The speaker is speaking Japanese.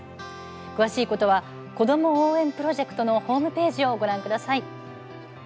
詳しくは「子ども応援プロジェクト」のホームページをご覧ください。